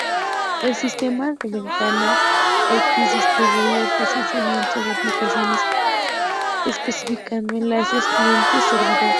El sistema de ventanas X distribuye el procesamiento de aplicaciones especificando enlaces cliente-servidor.